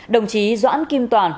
đồng chí doãn kim toàn